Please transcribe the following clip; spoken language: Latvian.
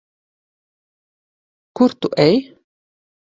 Kur tu ej?